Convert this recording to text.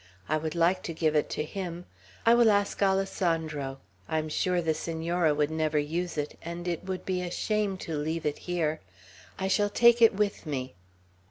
I would like to give it to him. I will ask Alessandro. I'm sure the Senora would never use it, and it would be a shame to leave it here. I shall take it with me."